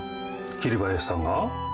桐林さんが？